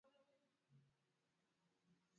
Kumeza matone kutoka kwa mnyama aliyeathirika